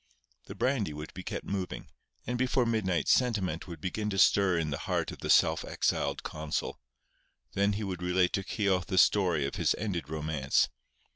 The brandy would be kept moving; and before midnight sentiment would begin to stir in the heart of the self exiled consul. Then he would relate to Keogh the story of his ended romance.